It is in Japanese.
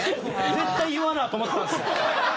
絶対言わな！って思ってたんですね。